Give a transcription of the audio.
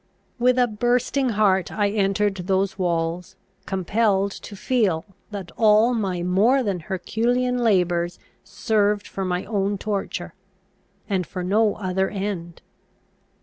With a bursting heart I entered those walls, compelled to feel that all my more than Herculean labours served for my own torture, and for no other end.